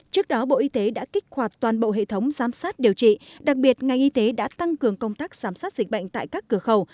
trước đó bộ y tế đã kích hoạt toàn bộ hệ thống giám sát điều trị đặc biệt ngành y tế đã tăng cường công tác giám sát dịch bệnh tại các cửa khẩu